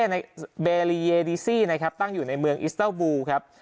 ในในตั้งอยู่ในเงินครับ